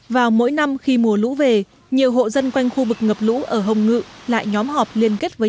vào mỗi năm khi mùa lũ về nhiều hộ dân quanh khu vực ngập lũ ở hồng ngự lại nhóm họp liên kết với